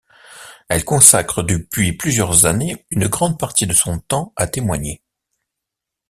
Elle consacre depuis plusieurs années une grande partie de son temps à témoigner.